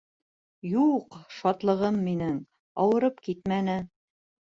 Юҡ, шатлығым минең, ауырып китмәне.